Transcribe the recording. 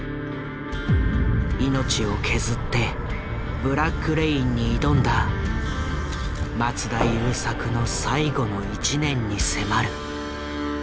命を削って「ブラック・レイン」に挑んだ松田優作の最後の１年に迫る。